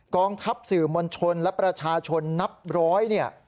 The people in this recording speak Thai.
กองทัพสื่อมวลชนและประชาชนนับร้อยเนี่ย